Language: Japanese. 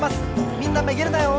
みんなめげるなよ！